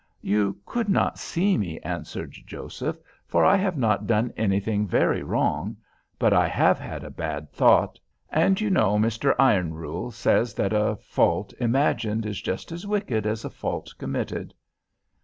"You could not see me," answered Joseph, "for I have not done anything very wrong. But I have had a bad thought, and you know Mr. Ironrule says that a fault imagined is just as wicked as a fault committed."